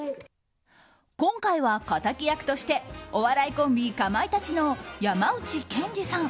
今回は敵役としてお笑いコンビ・かまいたちの山内健司さん